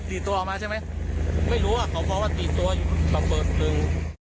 ดีตัวออกมาใช่ไหมไม่รู้อ่ะเค้าพอว่าตีตัวระเบิดกึ่ง